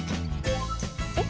えっ！